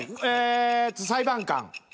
ええ裁判官。